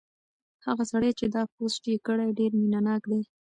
هغه سړی چې دا پوسټ یې کړی ډېر مینه ناک دی.